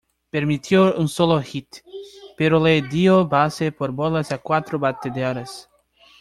Permitió un solo hit, pero le dio base por bolas a cuatro bateadores.